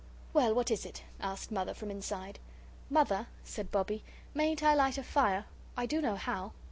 "Well, what is it?" asked Mother from inside. "Mother," said Bobbie, "mayn't I light a fire? I do know how."